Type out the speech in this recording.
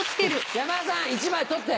山田さん１枚取って。